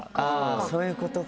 そういうことか。